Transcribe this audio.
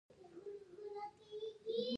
سیلابونه د افغانستان د ځایي اقتصادونو بنسټ دی.